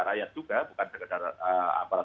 rakyat juga bukan sekadar